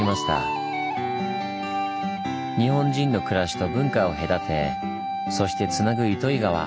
日本人の暮らしと文化を隔てそしてつなぐ糸魚川。